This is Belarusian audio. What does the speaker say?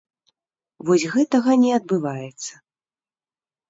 Вось гэтага не адбываецца.